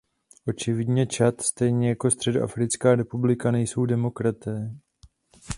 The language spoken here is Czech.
Očividně Čad stejně jako Středoafrická republika nejsou demokratické.